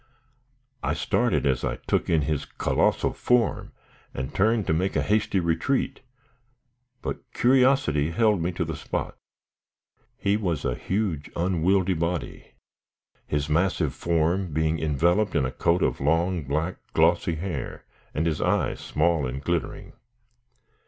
I started as I took in his colossal form, and turned to make a hasty retreat; but curiosity held me to the spot. He was a huge, unwieldy body; his massive form being enveloped in a coat of long, black, glossy hair, and his eyes small and glittering.